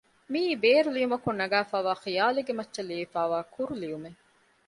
މިއީ ބޭރު ލިޔުމަކުން ނަގައިފައިވާ ޚިޔާލެއްގެ މައްޗަށް ލިޔެފައިވާ ކުރު ލިޔުމެއް